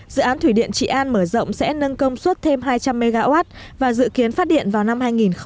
dự án thủy điện trị an mở rộng sẽ nâng công suất thêm hai trăm linh mw và dự kiến phát điện vào năm hai nghìn hai mươi